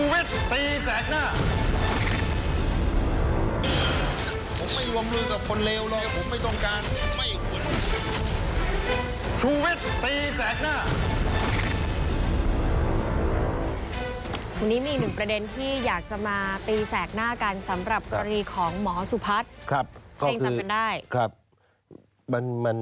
วันนี้มีประเด็นที่ที่จะมาตีแสกหน้ากันสำหรับกรณีของหมอสุพัฒน์